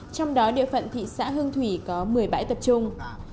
trong đó địa phận thị xã hương thủy có một mươi bãi tập trung